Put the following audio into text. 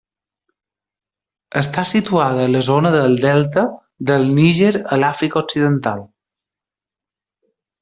Està situada a la zona del Delta del Níger a l'Àfrica Occidental.